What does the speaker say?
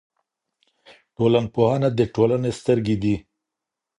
ټولنپوهنه د ټولنې سترګې دي.